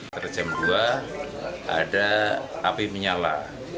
terjem dua ada api menyala